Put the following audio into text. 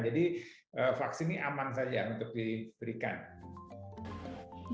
jadi vaksin ini aman saja untuk diberikan